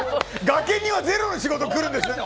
崖にはゼロの仕事くるんですね。